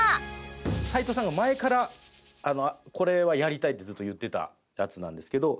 齊藤さんが前からこれはやりたいってずっと言ってたやつなんですけど。